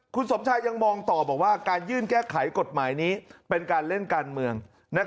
คุณสมชายยังมองต่อบอกว่าการยื่นแก้ไขกฎหมายนี้เป็นการเล่นการเมือง